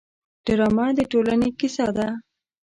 ډرامه د ټولنې کیسه ده